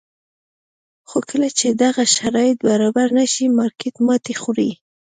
خو کله چې دغه شرایط برابر نه شي مارکېټ ماتې خوري.